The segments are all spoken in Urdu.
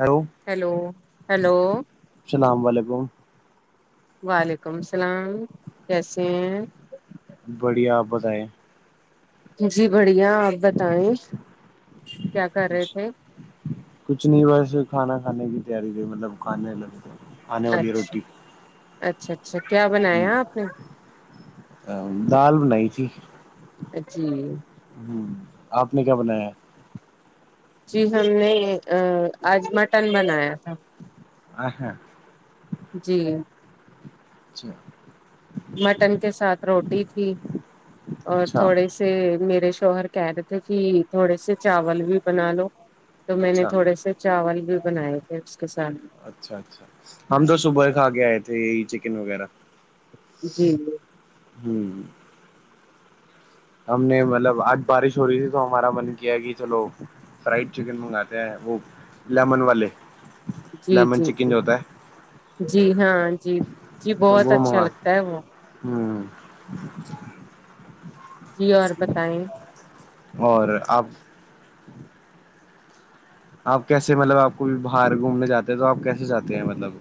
ہلو ہیلو ہیلو السلام علیکم وعلیکم السلام کیسے ہیں بڑی آپ بتائ جی بڑھیا آپ بتائیں کیا کر رہے تھے کچھ نہیں بس کھانا کھانے کی تیاری مطلب کھانے لگ اچھا اچھا اچھا کیا بنایا آپ نے ا دال بنائی تہی ا جی ہ آپ نے کیا بنایا ہے جی ہم نے آج مٹن بنایا تھا ا ہا جی اچھا مٹن کے ساتھ روٹی تھی اور اچھا تھوڑے سے میر شوہر کہہ دی تھ کہ تھوڑے سے چاول بھی بنا لو تو میں نے اچھا تھوڑے سے چاول بھی بنائے تھے اس کے ساتھ اچھا اچھا ہم تو صبح کھا کے آئے تھے یہ چکن وغیرہ جی جی ہوں ہم نے مطلب آج بارش ہو رہی تھی تو ہمارا من کیا کہ چلو فرائڈ چکن منگاتے ہیں وہ لیمن والے جی لیمن جی چکن جی جو ہوتا ہے جی ہاں جی جی بہت اچھا لگتا ہے وہ ہوں جی اور بتائیں اور آپ آپ کیسے مطلب آپ کو باہر گھومنے جاتے ہیں تو آپ کیسے جاتے ہیں مطلب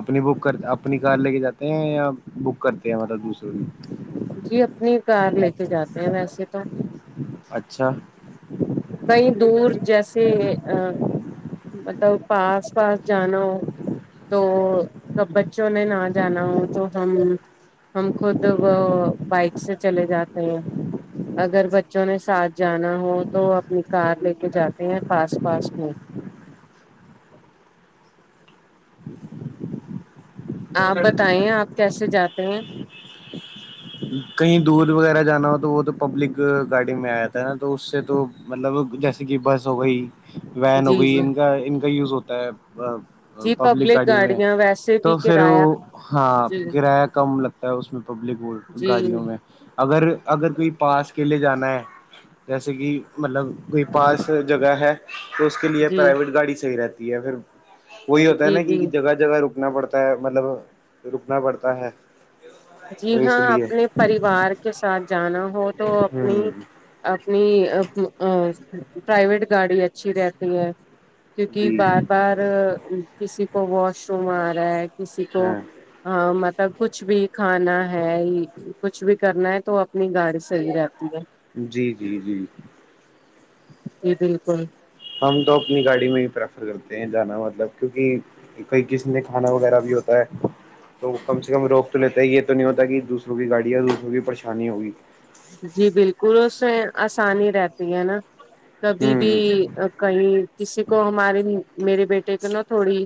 اپنی بک کر اپنی کار لے کے جاتے ہیں یا بک کرتے ہیں مطلب دوسروں کی جی اپنی کار لے کے جاتے ہیں ویسے تو اچھا کہیں دور جیسے آ مطلب پاس پاس جانا ہو تو کب بچوں نے ناں جانا ہو تو ہم ہم خود وہ بائک سے چلے جاتے ہیں اگر بچوں نے ساتھ جانا ہو تو پھر کار لے کے جاتے ہیں فاسٹ فاسٹ میں آپ بتائیے آپ کیسے جاتے ہیں کہیں دور وغیرہ جانا ہو تو وہ تو پبلک گاڑی میں آیا تھا ہے ناں تو اس سے تو مطلب جیسے کہ بس ہوگئی وین جی ہوگئی جی ان کا ان کا یوز ہوتا ہے جی پبلک گاڑی میں گاڑیاں ویسے بھی تو پھر کرایہ ہاں جی کرایہ کم لگتا ہے اس میں پبلک جی گاڑیوں میں اگر اگر کوئی پاس کے لے جانا ہے جیسے کہ مطلب کوئی پاس جگہ ہے تو اس کے لیے جی پرائیویٹ گاڑی صحیح رہتی ہے پھر وہی ہوتا ہے جی ناں کہ جی جگہ جگہ رکنا پڑتا ہے مطلب رکنا پڑتا ہے جی تو اس ہاں لیے اپنے پریوار کے ساتھ جانا ہو تو اپنی ہوں اپنی پرائیویٹ گاڑی اچھی رہتی ہے کیونکہ جی بار بار کسی کو واش روم آ رہا ہے کسی کو ہاں مطلب کچھ بھی کھانا ہے کچھ بھی کرنا ہے تو اپنی گاڑ صحیح رہتی ہے جی جی جی جی بالکل ہم تو اپنی گاڑی میں ہی پریفر کرتے ہیں جانا مطلب کیونکہ کئی کسی نے کھانا وغیرہ بھی ہوتا ہے تو کم سے کم روک تو لیتے ہے یہ تو نہیں ہوتا ہے کہ دوسروں کی گاڑی اور دوسروں کی پریشانی ہوگی جی بالکل اس میں آسانی رہتی ہے ناں کبھی بھی ہوں کہیں کسی کو ہمارے میرے بیٹے کے نا تھوڑی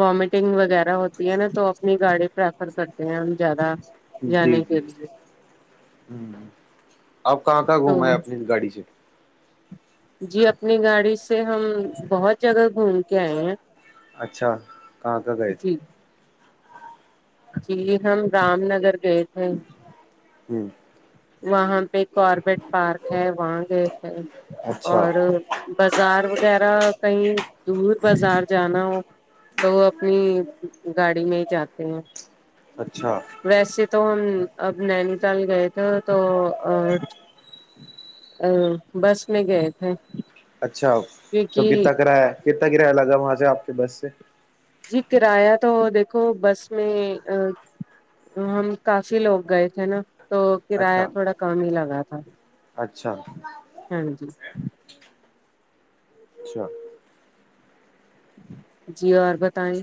وامٹنگ وغیرہ ہوتی ہے ناں تو اپنی گاڑی پریفر کرتے ہیں ہم زیادہ جی جانے جی کے لیے ہوں اپ کہاں کہاں تو گھوم آئے اپنی گاڑی سے جی اپنی گاڑی سے ہم بہت جگہ گھوم کے آئے ہیں اچھا کہاں کہاں گئے تھے جی جی ہم رام نگر گئے تھے ہوں وہاں پہ کاربٹ پارک ہے وہاں گئے تھے اچھا اور بازار وغیرہ کہیں دور بازار جانا ہو تو وہ اپنی گاڑی میں ہی جاتے ہیں اچھا ویسے تو ہم اب نینی تال گئے تھے تو بس میں گئے تھے اچھا تو کیونکہ کتنا کرایہ کتنا کرایہ لگا وہاں سے آپ کے بس سے جی کرایہ تو دیکھو بس میں ہم کافی لوگ گئے تھے ناں تو کرایہ اچھا تھوڑا کم ہی لگا تھا اچھا ہاں جی اچھا جی اور بتائیں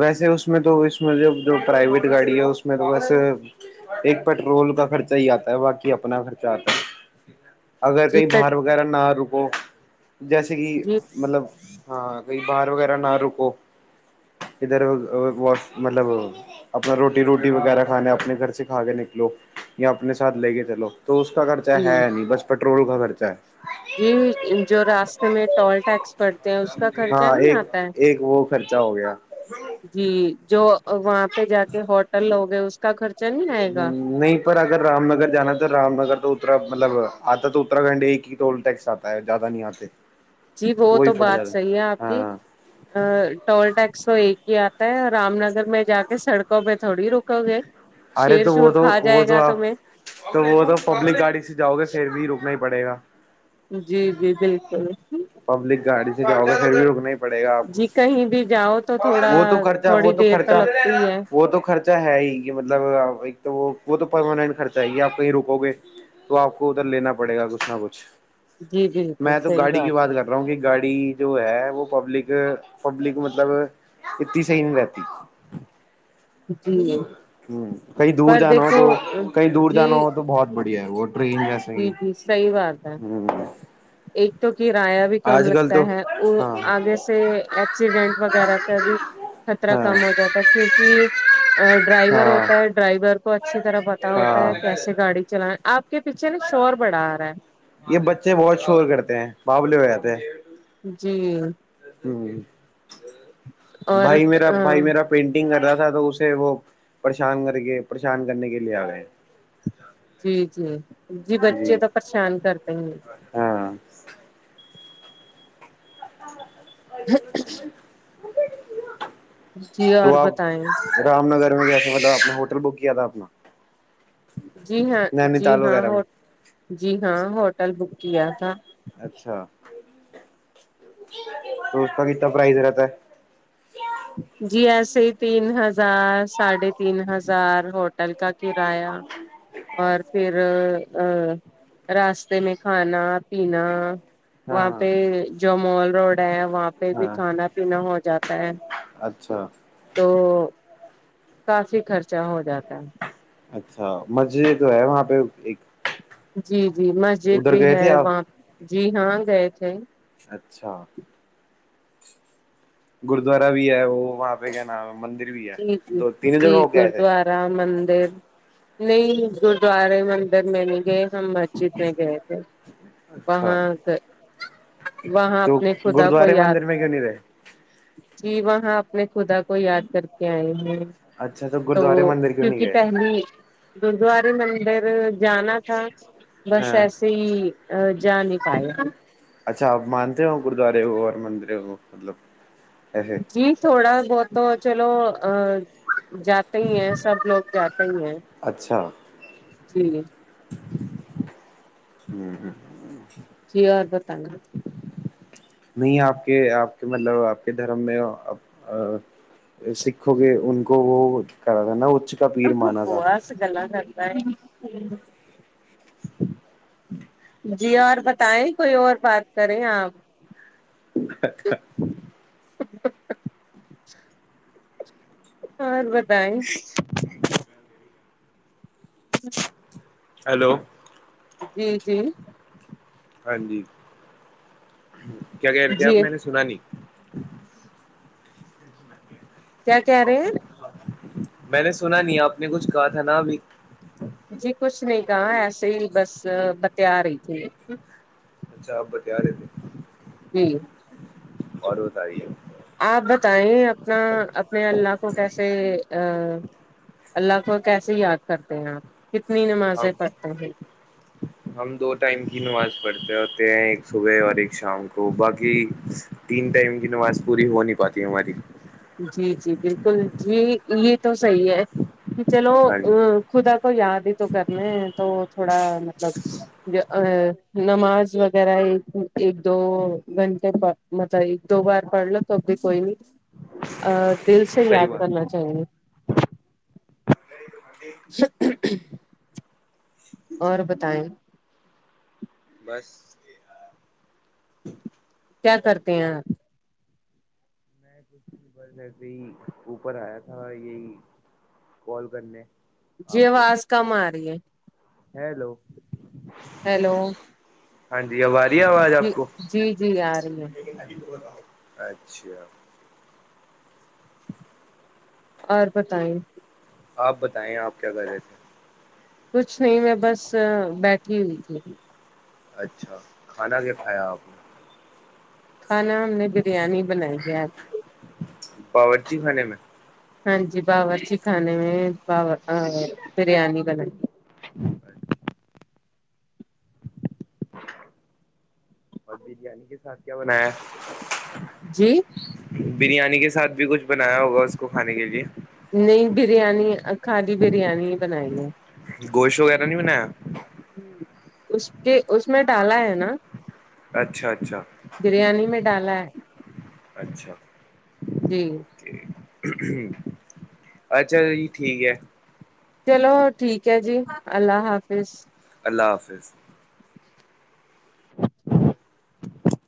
ویسے اس میں تو اس میں جب جو پرائیویٹ گاڑی ہے اس میں تو ویسے ایک پیٹرول کا خرچہ ہی آتا ہے باقی اپنا خرچہ آتا ہے اگر جی کہیں پ بار وغیرہ نہ رکو جیسے کہ جی مطلب ہاں کئی باہر وغیرہ نہ رکو ادھر واش مطلب اپنا روٹی روٹی وغیرہ کھانے اپنے گھر سے کھا کے نکلو یا اپنے ساتھ لے کے چلو تو اس کا خرچہ جی ہے نہیں بس پٹرول کا خرچہ ہے جی جو راستے میں ٹول ٹیکس پڑتے ہیں اس کا خرچہ ہاں نہیں ایک آتا ہے ایک وہ خرچہ ہو گیا جی جو وہاں پہ جا کے ہوٹل لوگے اس کا خرچہ نہیں آئے ہ گا نہیں پر اگر رام نگر جانا تو رام نگر تو اترا مطلب آتا تو اتراکنڈ ایک ہی ٹول ٹیکس آتا زیادہ نہیں آتے جی وہ وہی تو پٹ بات جاتا صحیح ہے آپ کی ہاں ا ٹول ٹیکس تو ایک ہی آتا ہے رام نگر میں جا کے سڑکوں پہ تھوڑی رکو گے آرد شیر شور بدو کھا جائے بدو گا آ تمہیں تو وہ تو پبلک گاڑی سے جاؤ گے پھر بھی روکنا ہی پڑے گا جی جی بالکل کل پبلک گاڑی سےجاو گے سر بھییوگ نہیں پڑے گا آپ کو جی کہیں بھی جاؤ تو تھوڑا وہ تو خرچا وہ تھوڑی تو دیر خرچا لگتی ہے وہ تو خرچا خرچا ہے ہی یہ مطلب ایک تو وہ وہ تو پرماننٹ خرچہ ہے یہ آپ کہیں رکو گے تو آپ کو ادھر لینا پڑے گا کچھ نہ کچھ جی بالکل میں تو صحیح گاڑی کی بات کر ہے رہا ہوں کہ گاڑی جو ہے وہ پبلک پبلک مطلب ا تتی س ہی نہیں رہتی جی ہ کہیں دور پر جانا ہو دیکھو تو کہیں دور جی جانا ہو تو بہت بڑھیا ہے وہ ٹرین جس جی جی صحیح بات ہے گ ہ ایک تو کرایہ بھی کم آج کل تو لگتا ہے وہ ہاں آگے سے ایکسیڈینٹ وغیرہ کا بھی خطرہ ہاں کم ہو جاتا ہے کیونکہ ڈرائیور ہاں ہوتا ہے ڈرائیور کو اچھی طرح پتا ہوتا ہاں ہے کیسے گاڑی چلانے آپ کے پیچھے نا شور بڑا آ رہا ہے یہ بچے بہت شور کرتے ہیں بولے ہو جاتے ہیں جی ہ اور بھائی میرا بھائی میرا پینٹنگ کر رہا تھا تو اسے وہ پریشان کر کے پریشان کرنے کے لیے آ گئے جی جی جی بچے تو پریشان کرتے ہیں ہاں بے ب جی اور تو آپ بتائیں رام نگر جا کے مت اؤ اپنا ہوٹل بک کیا تھا اپنا جی ہاں نینی جی تال ہاں وغیرہ میں جی ہاں ہوٹل بک کیا تھا اچھا تو اس کا کتنا پرائز رہتا ہے جی ایسے ہی تین ہزار ساڑھے تین ہزار ہوٹل کا کرایہ اور پھر ا راستے میں کھانا پینا ہاں وہاں پہ ہاں جو مال روڈ ہے وہاں پہ بھی ہاں کھانا پینا ہو جاتا ہے اچھا تو کافی خرچہ ہو جاتا ہے اچھا مسجد وہ ہے وہاں پہ ایک جی جی مسجد ادھر بھی گئے ہے تھے آپ وہاں جی ہاں گئے تھے اچھا گرودوارا بھی ہے وہ وہاں پہ کیا نام ہے مندر بھی ہے جی جی دو تینوں جگہ جی ہو کے آئے تھے گرودوارا مندر نہیں گردوارے مندر نہیں گئے ہم مسجد میں گئے تھے اچھا وہاں گ وہاں تو اپنے خدا کو گرودوارے یاد مندر میں کیوں نہیں رہے جی وہاں اپنے خدا کو یاد کر کے آئے ہیں اچھا تو تو گرودوارے مندر کیوں نہیں کیونکہ گئے پہلے گردوارے مندر جانا تھا بس ہاں ایسے ہی جا نہیں پائے اچھا آپ مانتے ہو گرودوارے ہو اور مندر ہو مطلب ایسے جی تھوڑا بہت تو چلو جا جاتے ہی ہیں سب لوگ جاتے ہی ہیں اچھا جی ھمم جی اور بتانا نہیں آپ کے آپ کے مطلب آپ کے دھرم میں سکھوں کے ان کو وہ کرا تھا نا کا پیر مانا تھا بکواس گلا کرتا ہے جی اور بتائیں کوئی اور بات کریں آپ [unintelligible] اور بتائیں [inaudible] ہیلو جی جی ہاں جی کیا کہہ رہے تھے آپ جی میں نے سنا نہیں کیا کہہ رہے ہیں میں نے سنا نہیں آپ نے کچھ کہا تھا نہ ابھی جی کچھ نہیں کہاں ایسے ہی بس بتیا رہی تھی اچھا آپ بتیا رہے تھے جی اور بتائیے آپ بتائیں اپنا اپنے اللہ کو کیسے اللہ کو کیسے یاد کرتے ہیں آپ کتنی ہم نمازیں پڑھتے ہیں ہم دو ٹائم کی نماز پڑھتے ہوتے ہیں ایک صبح اور ایک شام کو باقی تین ٹائم کی نماز پوری ہو نہیں پاتی ہماری جی جی بالکل جی یہ تو صحیح ہے کہ چلو ہاں جی خدا کو یاد ہی تو کرنا ہے تو تھوڑا مطلب نماز وغیرہ ایک ایک دو گھنٹے پر مطلب ایک دو بار پڑھ لو تو بھی کوئی نہیں دل سے صحیح یاد بات کرنا چاہیے [inaudible] اور بتائیں بس کیا کرتے ہیں آپ میں کچھ نہیں بس ایسے ہی اوپر آیا تھا یہی کال کرنے جی آپ کو آواز کم آ رہی ہے ہیلو ہیلو ہاں جی اب آرہی ہے آواز آپ جی کو جی جی آ رہی ہے اچھا اور بتائیں آپ بتائیں آپ کیا کر رہے تھے کچھ نہیں میں بس بیٹھی ہوئی تھی اچھا کھانا کیا کھایا آپ نے کھانا ہم نے بریانی بنائی ہے آج باورچی خانے میں ہاں جی باورچی خانے میں بریانی بنائی اچھا اور بریانی کے ساتھ کیا بنایا جی بریانی کے ساتھ بھی کچھ بنایا ہوگا اس کو کھانے کے لیے نہیں بریانی خالی بریانی ہی بنائی ہے گوشت وغیرہ نہیں بنایا ہ اس کے اس میں ڈالا ہے نا اچھا اچھا بریانی میں ڈالا ہے اچھا جی اچھا جی ٹھیک ہے چلو ٹھیک ہے جی اللہ حافظ اللہ حافظ